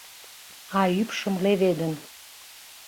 А ӱпшым леведын